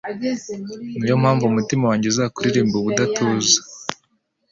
Ni yo mpamvu umutima wanjye uzakuririmba ubudatuza